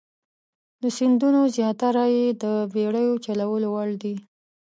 د سیندونو زیاتره یې د بیړیو چلولو وړ دي.